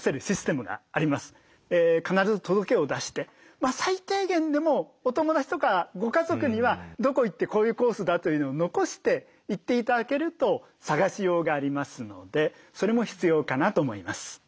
必ず届けを出して最低限でもお友達とかご家族にはどこ行ってこういうコースだというのを残して行って頂けると捜しようがありますのでそれも必要かなと思います。